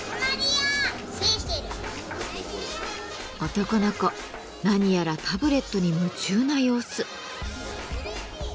男の子何やらタブレットに夢中な様子。